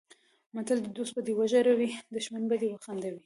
متل دی: دوست به دې وژړوي دښمن به دې وخندوي.